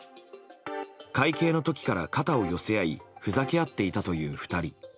会計の時から肩を寄せ合いふざけ合っていたという２人。